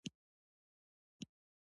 کـه چـېرتـه دا ګـټـه وې.